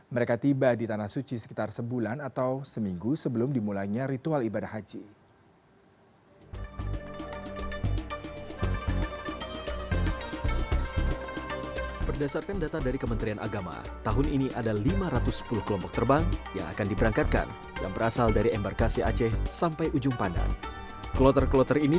mereka tiba di tanah suci sekitar sebulan atau seminggu sebelum dimulainya ritual ibadah haji